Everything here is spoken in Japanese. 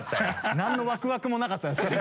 何のワクワクもなかったですね。